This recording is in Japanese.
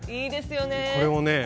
これをね